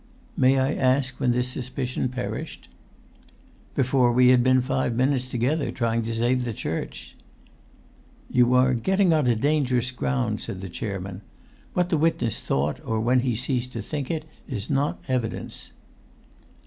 "May I ask when this suspicion perished?" "Before we had been five minutes together, trying to save the church!" "You are getting upon dangerous ground," said the chairman. "What the witness thought, or when he ceased to think it, is not evidence."